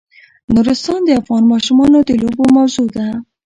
نورستان د افغان ماشومانو د لوبو موضوع ده.